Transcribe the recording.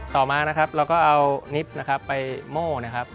ต่อมานะครับเราก็เอานิปซ์ไปโม่นะครับ